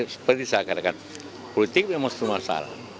seperti saya katakan politik memang satu masalah